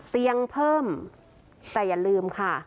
เตียงเพิ่มแต่อย่าลืมค่ะ